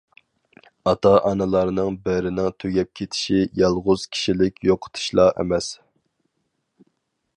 ئاتا-ئانىلارنىڭ بىرىنىڭ تۈگەپ كېتىشى يالغۇز كىشىلىك يوقىتىشلا ئەمەس.